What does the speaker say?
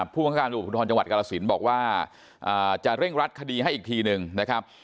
บังคับการตำรวจภูทรจังหวัดกรสินบอกว่าจะเร่งรัดคดีให้อีกทีหนึ่งนะครับ